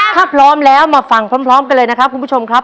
ถ้าพร้อมแล้วมาฟังพร้อมกันเลยนะครับคุณผู้ชมครับ